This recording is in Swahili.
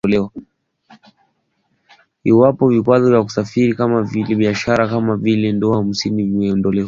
Iwapo vikwazo vya kusafiri kibiashara kama vile dola hamsini ya visa vimeondolewa.